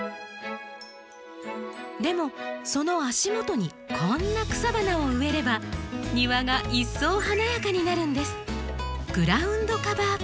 でもその足元にこんな草花を植えれば庭が一層華やかになるんです。